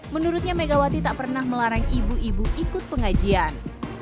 menurutnya megawati tak pernah melarang ibu ibu ikut pengajian